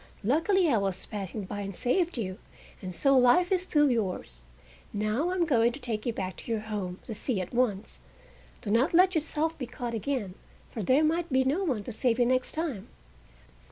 Luckily I was passing by and saved you, and so life is still yours. Now I am going to take you back to your home, the sea, at once. Do not let yourself be caught again, for there might be no one to save you next time!"